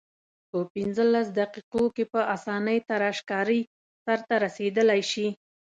په پنځلس دقیقو کې په اسانۍ تراشکاري سرته رسیدلای شي.